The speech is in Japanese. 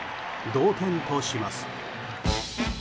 同点とします。